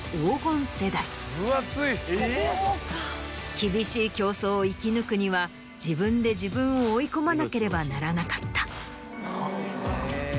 厳しい競争を生き抜くには自分で自分を追い込まなければならなかった。